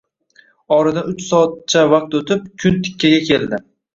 Oradan uch soatcha vaqt o`tib kun tikkaga keldi